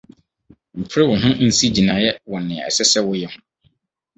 Mpere wo ho nsi gyinae wɔ nea ɛsɛ sɛ woyɛ ho.